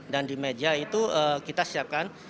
dan di meja itu kita siapkan